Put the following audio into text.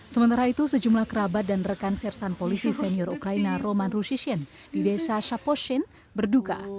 sementara itu sejumlah kerabat dan rekan sersan polisi senior ukraina roman rushishin di desa shaposhin berduka